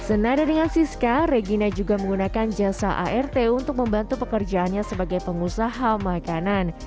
senada dengan siska regina juga menggunakan jasa art untuk membantu pekerjaannya sebagai pengusaha makanan